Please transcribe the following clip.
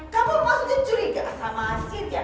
kamu maksudnya curiga sama cynthia